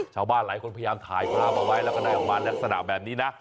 ชาวบ้านหลายคนพยายามถ่ายภาพเอาไว้แล้วก็ได้ออกมาลักษณะแบบนี้นะ